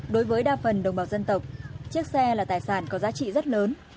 đối với đa phần đồng bào dân tộc chiếc xe là tài sản có giá trị rất lớn